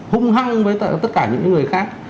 hung hăng với tất cả những người khác